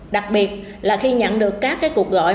đặc biệt là khi nhận được các cuộc gọi